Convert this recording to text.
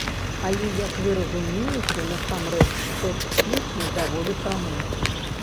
Але, як вы разумееце, насамрэч тэкст песні даволі прамы.